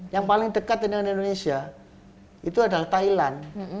yang paling dekat dengan indonesia itu adalah thailand